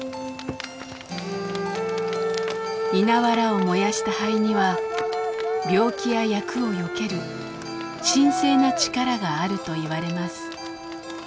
稲わらを燃やした灰には病気や厄をよける神聖な力があるといわれます。